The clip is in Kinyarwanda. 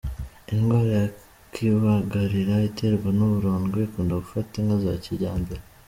Indwara y’ikibagarira iterwa n’uburondwe, ikunda gufata inka za kijyambere.